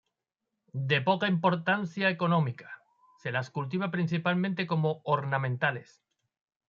De poca importancia económica, se las cultiva principalmente como ornamentales.